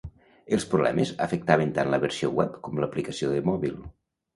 Els problemes afectaven tant la versió web com l’aplicació de mòbil.